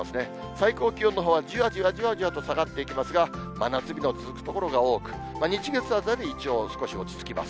最高気温のほうはじわじわ下がっていきますが、真夏日の続く所が多く、日、月あたりは少し落ち着きます。